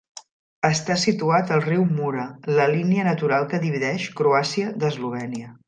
Està situat al riu Mura, la línia natural que divideix Croàcia d'Eslovènia.